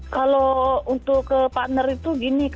kalau untuk ke partner itu gini